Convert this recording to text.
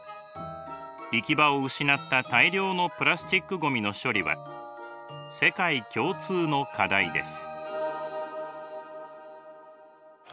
行き場を失った大量のプラスチックごみの処理は世界共通の課題です。